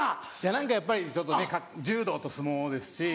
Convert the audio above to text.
何かやっぱりちょっとね柔道と相撲ですし。